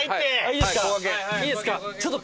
いいですか？